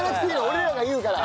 俺らが言うから！